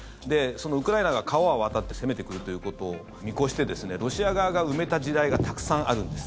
ウクライナが川を渡って攻めてくるということを見越してロシア側が埋めた地雷がたくさんあるんです。